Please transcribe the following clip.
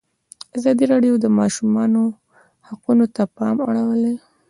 ازادي راډیو د د ماشومانو حقونه ته پام اړولی.